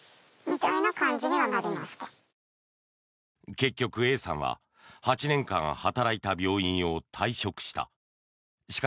結局、Ａさんは８年間働いた病院を退職した。